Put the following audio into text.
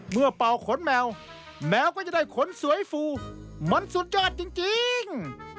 เป่าขนแมวแมวก็จะได้ขนสวยฟูมันสุดยอดจริง